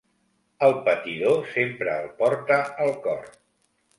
El patidor sempre el porta al cor.